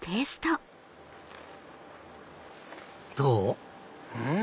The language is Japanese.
どう？